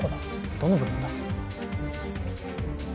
どの部分だ？